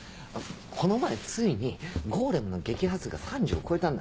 この前ついにゴーレムの撃破数が３０を超えたんだ。